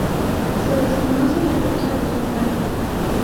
Se desconoce la fecha de su muerte.